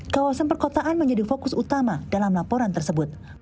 kawasan perkotaan menjadi fokus utama dalam laporan tersebut